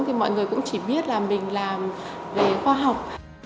thì mọi người cũng chỉ biết là mình làm về khoa học